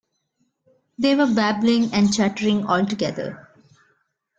They were babbling and chattering all together.